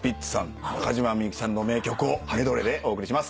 中島みゆきさんの名曲をメドレーでお送りします。